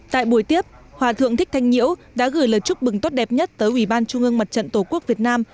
tại buổi tiếp hòa thượng thích thanh nhiễu đã gửi lời chúc mừng tốt đẹp nhất tới ủy ban trung ương mặt trận tổ quốc việt nam